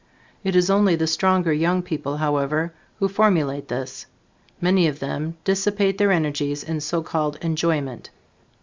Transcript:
It is only the stronger young people, however, who formulate this. Many of them dissipate their energies in so called enjoyment.